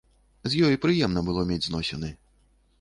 З ёй прыемна было мець зносіны.